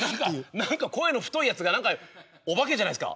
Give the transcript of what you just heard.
何か声の太いやつが何かお化けじゃないですか？